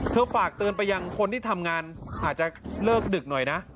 ฝากเตือนไปยังคนที่ทำงานอาจจะเลิกดึกหน่อยนะ